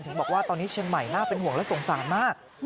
บอกว่าตอนนี้เชียงใหม่น่าเป็นห่วงและสงสารมาก